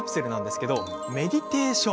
これ、メディテーション